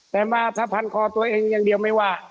แต่มาถ้าพันคอตัวเองอย่างเดียวไม่ว่า